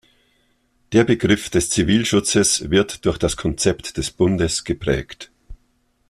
Der Begriff des Zivilschutzes wird durch das Konzept des Bundes geprägt.